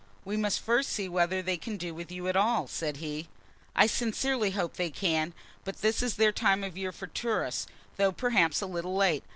"We must first see whether they can do with you at all," said he. "I sincerely hope they can; but this is their time of year for tourists, though perhaps a little late.